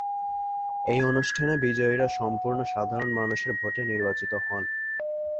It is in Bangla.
এই অনুষ্ঠানে বিজয়ীরা সম্পূর্ণ সাধারণ মানুষের ভোটে নির্বাচিত হন।